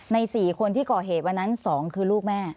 ในสี่คนที่เกาะเหตุวันนั้นสองคือลูกแม่